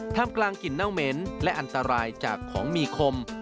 ทำกลางกลิ่นเน่าเหม็นและอันตรายจากของมีคม